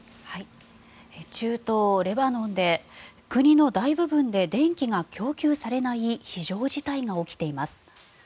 中東レバノンで国の大部分で電気が供給されない非常事態が起きています。